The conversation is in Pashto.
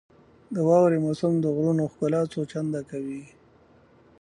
• د واورې موسم د غرونو ښکلا څو چنده کوي.